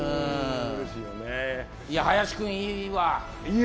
林君いいわ。